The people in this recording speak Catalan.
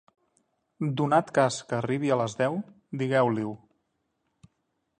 Donat cas que arribi a les deu, digueu-li-ho.